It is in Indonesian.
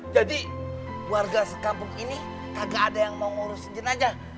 jadi warga sekampung ini kagak ada yang mau ngurus jenazah